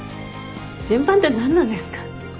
順番って何なんですか？